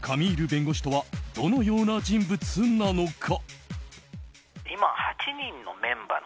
弁護士とはどのような人物なのか。